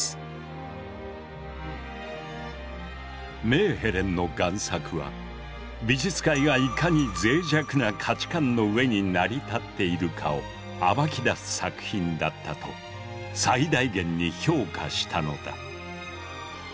メーヘレンの贋作は美術界がいかに脆弱な価値観の上に成り立っているかを暴き出す作品だったと最大限に評価したのだ。